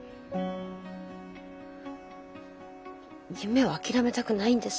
夢を諦めたくないんです。